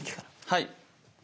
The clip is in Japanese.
はい。